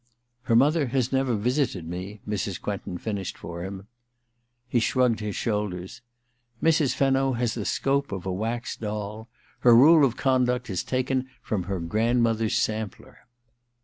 *Her mother has never visited me,' Mrs. Quentin finished for him. He shrugged his shoulders. * Mrs. Fenno has the scope of a wax doll. Her rule of conduct is taken from her grandmother's sampler.'